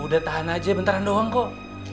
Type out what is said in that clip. udah tahan aja bentaran doang kok